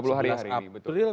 tiga puluh hari betul